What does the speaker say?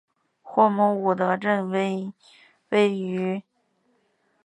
霍姆伍德镇区为位在美国堪萨斯州富兰克林县的镇区。